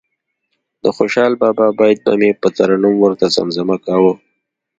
د خوشال بابا بیت به مې په ترنم ورته زمزمه کاوه.